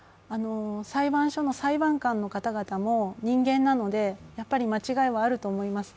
裁判所の裁判官の方々も人間なので、やっぱり間違いはあると思います。